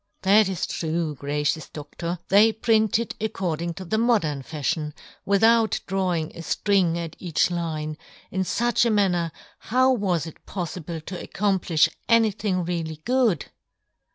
" That is true, gracious ' Dodtor ; they printed according ' to the modern fafhion, without ' drawing a firing at each line ; in ' fuch a manner how was it poffible * to accompHfli anything really ' good